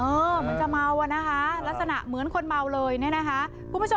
เหมือนจะเมาอะนะคะลักษณะเหมือนคนเมาเลยเนี่ยนะคะคุณผู้ชม